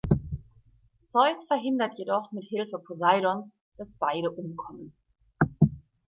Zeus verhindert jedoch mit Hilfe Poseidons, dass beide umkommen.